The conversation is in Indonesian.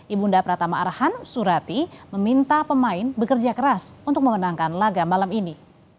ibunda pratama arhan surati meminta pemain bekerja keras untuk memenangkan laga malam ini